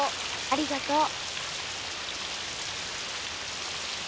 ありがとう。